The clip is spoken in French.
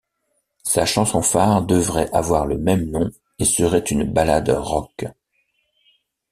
Sa chanson-phare devrait avoir le même nom et serait une ballade rock.